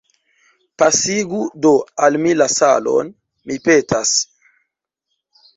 Pasigu do al mi la salon, mi petas.